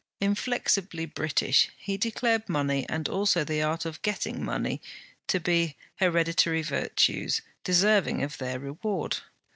Inflexibly British, he declared money, and also the art of getting money, to be hereditary virtues, deserving of their reward.